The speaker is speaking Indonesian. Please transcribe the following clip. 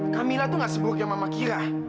kamilah tuh gak seburuk yang mama kira